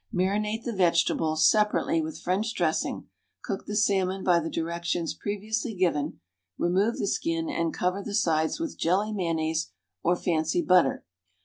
Marinate the vegetables, separately, with French dressing; cook the salmon by the directions previously given; remove the skin and cover the sides with jelly mayonnaise or fancy butter.